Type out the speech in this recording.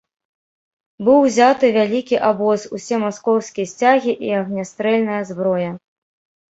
Быў узяты вялікі абоз, усе маскоўскія сцягі і агнястрэльная зброя.